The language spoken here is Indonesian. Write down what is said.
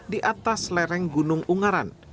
di atas lereng gunung ungaran